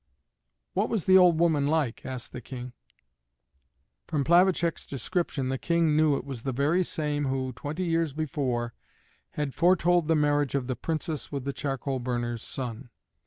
"What was the old woman like?" asked the King. From Plavacek's description the King knew it was the very same who, twenty years before, had foretold the marriage of the Princess with the charcoal burner's son.